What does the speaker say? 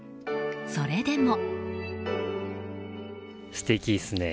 それでも。